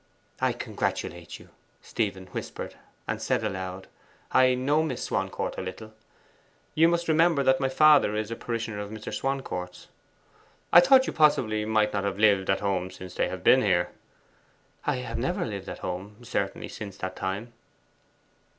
'I congratulate you,' Stephen whispered; and said aloud, 'I know Miss Swancourt a little. You must remember that my father is a parishioner of Mr. Swancourt's.' 'I thought you might possibly not have lived at home since they have been here.' 'I have never lived at home, certainly, since that time.